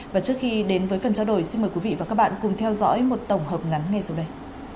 và trước khi đến với phần trao đổi xin mời quý vị và các bạn cùng theo dõi một tổng hợp ngắn ngay sau đây